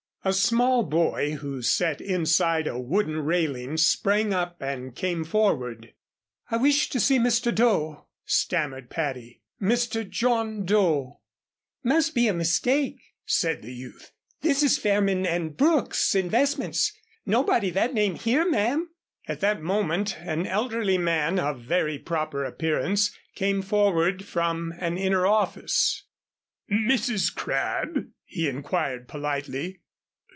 A small boy who sat inside a wooden railing, sprang up and came forward. "I wish to see Mr. Doe," stammered Patty, "Mr. John Doe." "Must be a mistake," said the youth. "This is Fairman & Brookes, Investments. Nobody that name here, ma'am." At that moment an elderly man of very proper appearance came forward from an inner office. "Mrs. Crabb?" he inquired, politely.